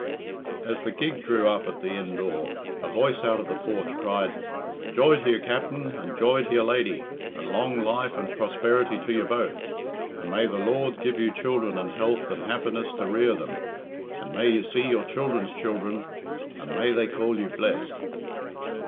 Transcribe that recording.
As the gig drew up at the inn door, a voice out of the porch cried, "Joy to you, Capt'n, and joy to your lady, and long life and prosperity to you both, and may the Lord give you children and health and happiness to rear them, and may you see your children's children, and may they call you blessed."